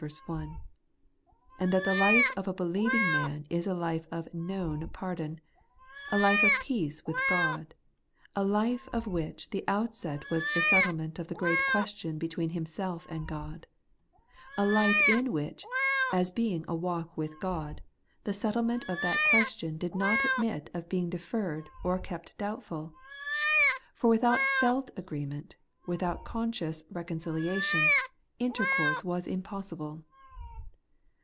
1), and that the life of a believing man is a life of knoum pardon ; a life of peace with God ; a life of which the outset was the settlement of the great question between himself and God ; a life in which, as being a walk with God, the settlement of that question did The Pardon and the Peace made sure, 145 not admit of being deferred or kept doubtful : for without felt agreement, without conscious reconcilia tion, intercourse was impossible.